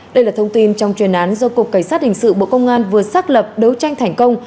đây là thông tin trong chuyên án do cục cảnh sát hình sự bộ công an vừa xác lập đấu tranh thành công